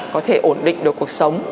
có thể ổn định được cuộc sống